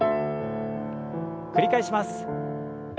繰り返します。